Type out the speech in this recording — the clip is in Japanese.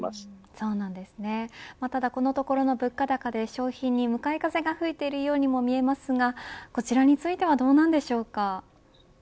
ただこのところの物価高で消費に向かい風が吹いているようにも見ますがこちらについてはどうなんでしょうか。